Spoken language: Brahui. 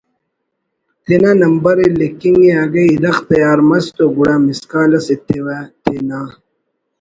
تینا نمبرءِ لکھنگ ءِ اگہ اِرغ تیار مس تو گڑا مسکال اس ایتوہ تے نا